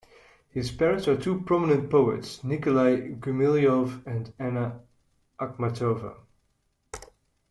His parents were two prominent poets Nikolay Gumilyov and Anna Akhmatova.